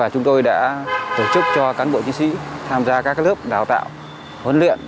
chúng tôi đã tổ chức cho cán bộ chiến sĩ tham gia các lớp đào tạo huấn luyện